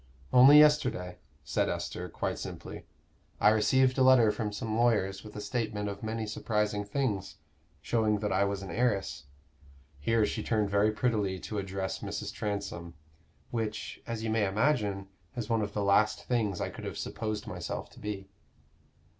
"Only yesterday," said Esther, quite simply, "I received a letter from some lawyers with a statement of many surprising things, showing that I was an heiress" here she turned very prettily to address Mrs. Transome "which, as you may imagine, is one of the last things I could have supposed myself to be."